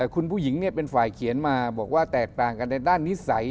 คุณผู้หญิงเป็นฝ่ายเขียนมาบอกว่าแตกต่างกันในด้านนิสัย